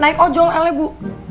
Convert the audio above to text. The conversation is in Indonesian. naik ojol elnya bu